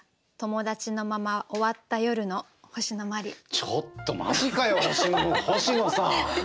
ちょっとマジかよ星野さん！